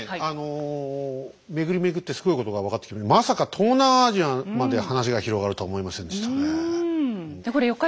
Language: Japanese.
あの巡り巡ってすごいことが分かってきたけどまさか東南アジアまで話が広がるとは思いませんでしたね。